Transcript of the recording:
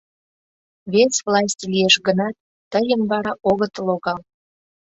Вес власть лиеш гынат, тыйым вара огыт логал.